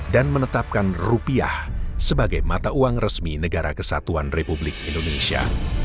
dan menetapkan rupiah sebagai mata uang resmi negara kesatuan republik indonesia